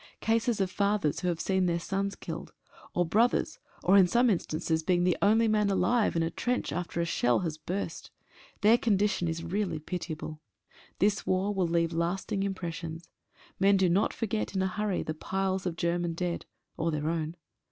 Cases of fathers who have seen their sons killed, or brothers, or in some instances being the only man alive in a trench after a shell has burst. Their condition is really pitiable. This war will leave lasting impressions. Men do not forget in a hurry the piles of German dead, or their own.